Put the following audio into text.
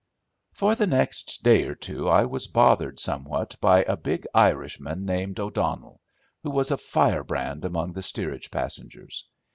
For the next day or two I was bothered somewhat by a big Irishman named O'Donnell, who was a fire brand among the steerage passengers.